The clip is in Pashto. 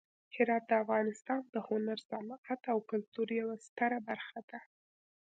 هرات د افغانستان د هنر، صنعت او کلتور یوه ستره برخه ده.